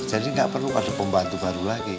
jadi gak perlu ada pembantu baru lagi